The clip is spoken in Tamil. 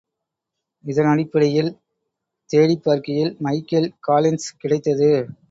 இதனடிப்படையில் தேடிப்பார்க்கையில் மைக்கேல் காலின்ஸ் கிடைத்தது.